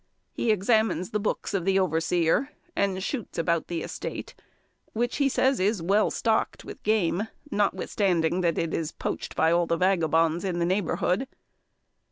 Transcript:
He examines the books of the overseer, and shoots about the estate, which, he says, is well stocked with game, notwithstanding that it is poached by all the vagabonds in the neighbourhood.